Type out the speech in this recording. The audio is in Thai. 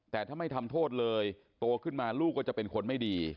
แต่ถ้าไม่ทำโทษเลยโตขึ้นมาลูกก็จะเป็นคนไม่ดี